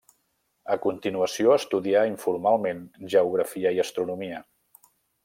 A continuació estudià informalment geografia i astronomia.